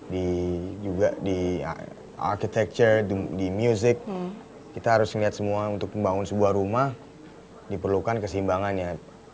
di juga di architecture di music kita harus melihat semua untuk membangun sebuah rumah diperlukan keseimbangannya